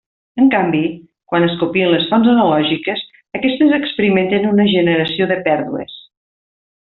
En canvi, quan es copien les fonts analògiques, aquestes experimenten una generació de pèrdues.